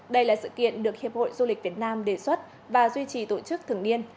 đây là sự kiện được hiệp hội du lịch việt nam đề xuất và duy trì tổ chức thường niên